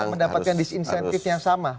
mendapatkan disinsentif yang sama